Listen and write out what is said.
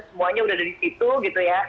semuanya udah ada di situ gitu ya